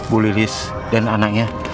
bu lilis dan anaknya